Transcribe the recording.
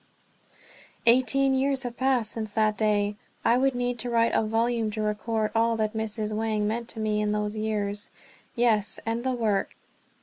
Eighteen years have passed since that day. I would need to write a volume to record all that Mrs. Wang meant to me in those years; yes, and to the work.